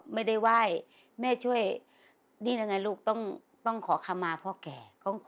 แม่ช่วยนี่แหละไงลูกต้องขัมมาพ่อแก่